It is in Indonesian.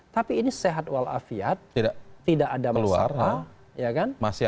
tapi ini sehat walafiat tidak ada masalah